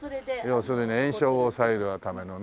要するに延焼を抑えるためのね。